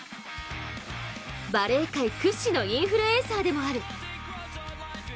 バレー界屈指のインフルエンサーでもある。